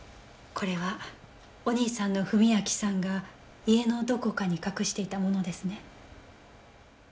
これはお兄さんの史明さんが家のどこかに隠していたものですね？